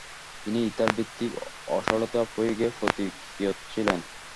তিনি ইথার ভিত্তিক অসাড়তা প্রয়োগে পথিকৃৎ ছিলেন।